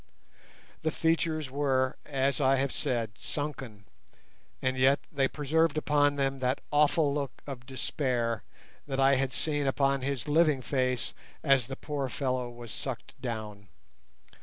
The features were, as I have said, sunken, and yet they preserved upon them that awful look of despair that I had seen upon his living face as the poor fellow was sucked down.